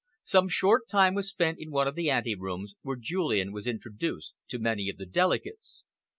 Some short time was spent in one of the anterooms, where Julian was introduced to many of the delegates.